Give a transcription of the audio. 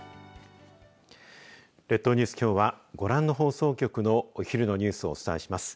列島ニュース、きょうはご覧の放送局のお昼のニュースをお伝えします。